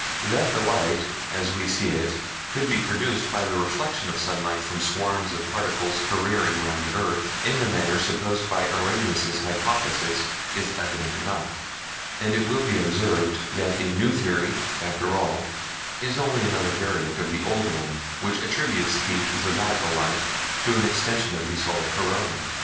That the Light as we see it could be produced by the reflection of sunlight from swarms of particles careering round the earth in the manner supposed by Arrhenius' hypothesis is evident enough; and it will be observed that the new theory, after all, is only another variant of the older one which attributes the Zodiacal Light to an extension of the solar corona.